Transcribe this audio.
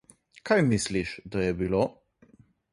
Kaj misliš, da je bilo?